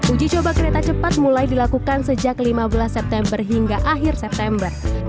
uji coba kereta cepat mulai dilakukan sejak lima belas september hingga akhir september